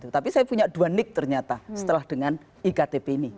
tapi saya punya dua nick ternyata setelah dengan iktp ini